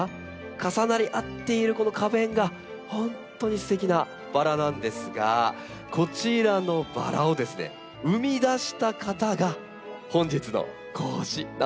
重なり合っているこの花弁が本当にすてきなバラなんですがこちらのバラをですね生み出した方が本日の講師なんです。